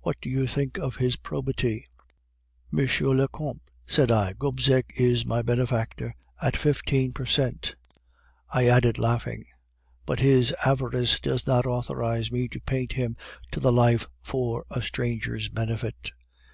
What do you think of his probity?' "'M. le Comte,' said I, 'Gobseck is my benefactor at fifteen per cent,' I added, laughing. 'But his avarice does not authorize me to paint him to the life for a stranger's benefit.